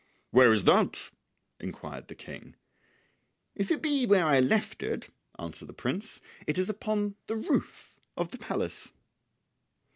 "Where is that?" inquired the King. "If it be where I left it," answered the prince, "it is upon the roof of the palace."